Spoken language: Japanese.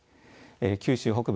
九州北部